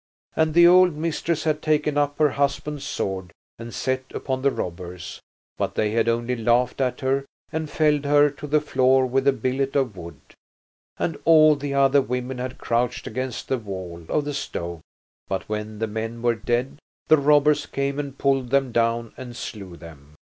And the old mistress had taken up her husband's sword and set upon the robbers, but they had only laughed at her and felled her to the floor with a billet of wood. And all the other women had crouched against the wall of the stove, but when the men were dead the robbers came and pulled them down and slew them.